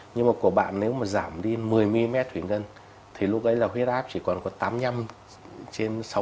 nhưng mà của bạn nếu mà giảm đi một mươi mm thủy ngân thì lúc ấy là huyết áp chỉ còn có tám mươi năm trên sáu mươi